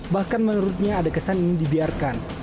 bahkan menurutnya ada kesan ini dibiarkan